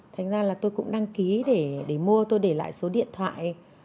thành ra là tôi cũng đăng ký để mua tôi để lại số điện thoại